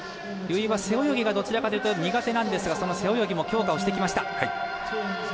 由井は背泳ぎがどちらかというと苦手なんですがその背泳ぎも強化をしてきました。